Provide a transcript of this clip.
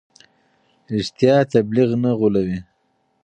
رښتیا تبلیغ نه غولوي.